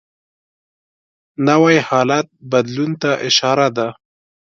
نوی حالت بدلون ته اشاره ده